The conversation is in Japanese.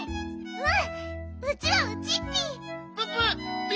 うん。